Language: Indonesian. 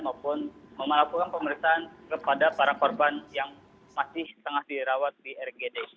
maupun melakukan pemeriksaan kepada para korban yang masih tengah dirawat di rgd